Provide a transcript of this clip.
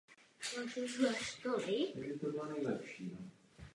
Neměli bychom proto porušovat zásadu subsidiarity nebo vytvářet nadměrná omezení.